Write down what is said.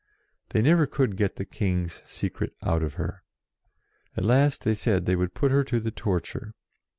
They never could get the King's secret out of her. At last they said they would put her to the torture.